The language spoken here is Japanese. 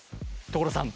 所さん！